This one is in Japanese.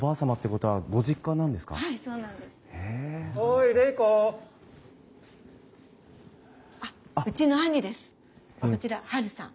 こちらハルさん。